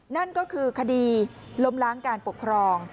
นั่นก็คือคดีล้มล้างการปกครอง